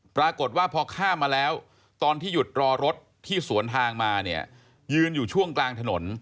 ปรากฏว่าพอข้ามมาแล้วตอนที่หยุดรอรถที่สวนทางมาเนี่ยยืนอยู่ช่วงกลางถนน